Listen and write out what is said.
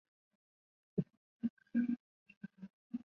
因治所在宛而得名。